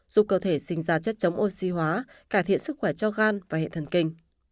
giúp cơ thể sinh ra chất chống oxy hóa cải thiện sức khỏe cho gan và hệ thần kinh